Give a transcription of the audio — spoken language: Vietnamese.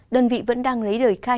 đơn vị vẫn đang lấy đời khai